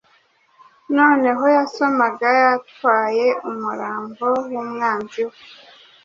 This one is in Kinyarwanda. noneho yasomaga Yatwaye umurambo wumwanzi we